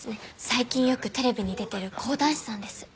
最近よくテレビに出てる講談師さんです。